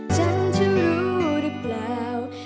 ฉันจะรู้หรือเปล่า